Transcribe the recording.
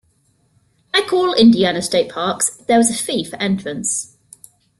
Like all Indiana state parks, there is a fee for entrance.